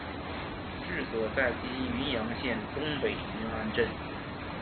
治所在今云阳县东北云安镇。